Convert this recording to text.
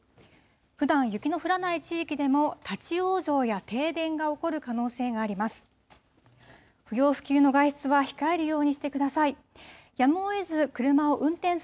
ふだん、雪の降らない地域でも立往生や停電が起こる可能性があります。